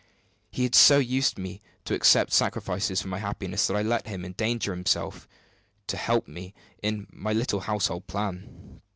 He had so used me to accept sacrifices for my happiness that I let him endanger himself to help me in my little household plan.